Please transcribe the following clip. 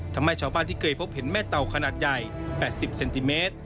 ทำให้ชาวบ้านที่เคยพบเห็นแม่เต่าขนาดใหญ่๘๐เซนติเมตร